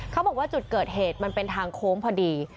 เขาบอกว่าจุดเกิดเหตุมันเป็นทางโค้งพอดี